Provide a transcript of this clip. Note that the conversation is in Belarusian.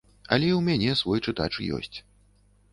Але і ў мяне свой чытач ёсць.